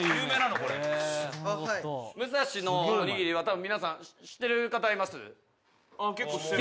「むさしのおにぎりは多分皆さん知ってる方います？」